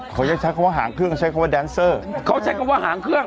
เขายังใช้คำว่าหางเครื่องก็ใช้คำว่าแดนเซอร์เขาใช้คำว่าหางเครื่อง